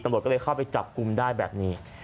ตำรวจก็เลยเข้าไปจับกลุ่มได้แบบนี้